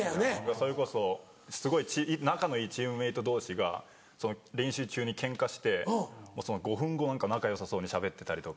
それこそすごい仲のいいチームメート同士が練習中にケンカしてその５分後仲よさそうにしゃべってたりとか。